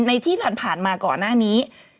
ที่ผ่านมาก่อนหน้านี้